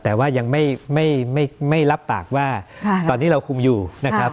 แต่ว่ายังไม่รับปากว่าตอนนี้เราคุมอยู่นะครับ